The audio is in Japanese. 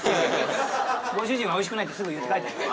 ご主人は「おいしくない」ってすぐ言うって書いてあった。